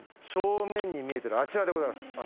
正面に見えているあちらでございます。